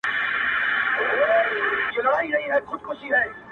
بې طالع سړى، په يوه ورځ په دوو ميلمستياو کي خبر وي.